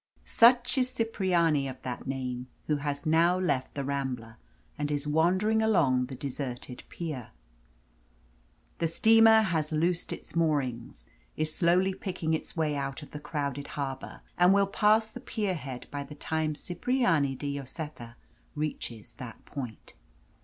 Such is Cipriani of that name, who has now left the Rambla and is wandering along the deserted pier. The steamer has loosed its moorings, is slowly picking its way out of the crowded harbour, and it will pass the pier head by the time that Cipriani de Lloseta reaches that point.